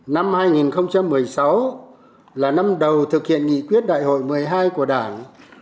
năm hai nghìn một mươi sáu là năm đầu thực hiện nghị quyết đại hội một mươi hai